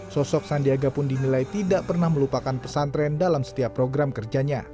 sosok sandiaga pun dinilai tidak pernah melupakan pesantren dalam setiap program kerjanya